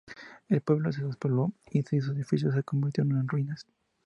El pueblo se despobló, y sus edificios se convirtieron en ruinas.